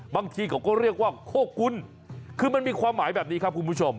บางทีเขาก็เรียกว่าโคกุลคือมันมีความหมายแบบนี้ครับคุณผู้ชม